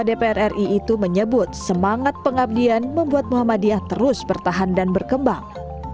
ketua dpr ri itu menyebut semangat pengabdian membuat muhammadiyah terus bertahan dan berkembang